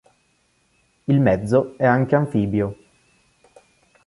Il mezzo è anche anfibio.